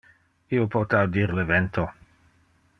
Io pote audir le vento.